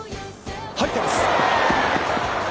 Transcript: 入ってます。